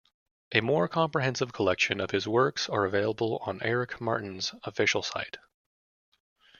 A more comprehensive collection of his works are available on Eric Martin's Official Site.